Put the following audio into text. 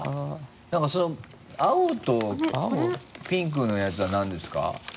なんかその青とピンクのやつはなんですか？